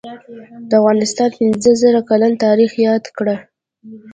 دافغانستان پنځه زره کلن تاریخ یاد کړه